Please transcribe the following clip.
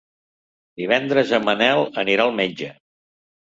Divendres en Manel anirà al metge.